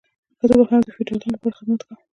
ښځو به هم د فیوډالانو لپاره خدمت کاوه.